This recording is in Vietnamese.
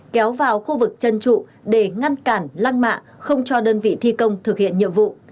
kéo vào khu vực chân trụ để ngăn cản lăng mạ không cho đơn vị thi công thực hiện nhiệm vụ